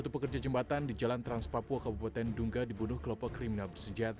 tiga puluh satu pekerja jembatan di jalan trans papua ke bupaten dunga dibunuh kelompok kriminal bersenjata